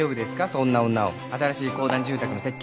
そんな女を新しい公団住宅の設計チームに。